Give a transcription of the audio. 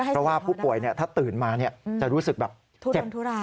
เพราะว่าผู้ป่วยถ้าตื่นมาจะรู้สึกแบบเจ็บทุราย